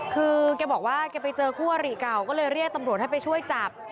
คือแกบอกว่าแกไปเจอคู่อริเก่าก็เลยเรียกตำรวจให้ไปช่วยจับ